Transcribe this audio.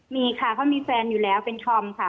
มีค่ะเขามีแฟนอยู่แล้วเป็นธอมค่ะ